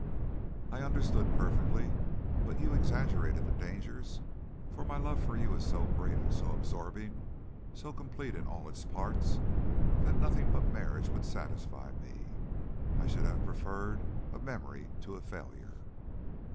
I understood perfectly, but you exaggerated the dangers; for my love for you is so great and so absorbing, so complete in all its parts, that nothing but marriage would satisfy me. I should have preferred a memory to a failure.